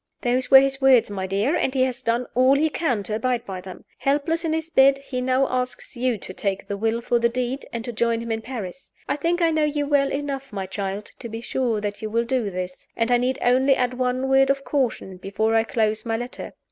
Those were his words, my dear; and he has done all he can to abide by them. Helpless in his bed, he now asks you to take the will for the deed, and to join him in Paris. I think I know you well enough, my child, to be sure that you will do this; and I need only add one word of caution, before I close my letter.